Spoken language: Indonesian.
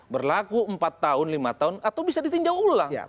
berlaku empat tahun lima tahun atau bisa ditinjau ulang